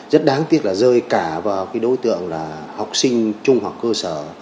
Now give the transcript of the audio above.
rất đáng tiếc là rơi cả vào cái đối tượng là học sinh trung học cơ sở